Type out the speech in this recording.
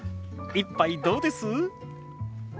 一杯どうです？